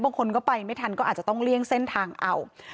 บางคนก็ไปไม่ทันก็อาจจะต้องเลี่ยงเส้นทางเอา